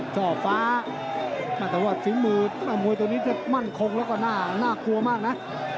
ช่อฟ้าแต่ว่าฝีมือมวยตัวนี้จะมั่นคงแล้วก็น่ากลัวมากนะ